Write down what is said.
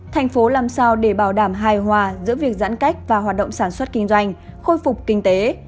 thành phố làm sao để bảo đảm hài hòa giữa việc giãn cách và hoạt động sản xuất kinh doanh khôi phục kinh tế